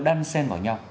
đan sen vào nhau